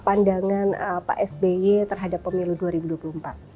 pandangan pak sby terhadap pemilu dua ribu dua puluh empat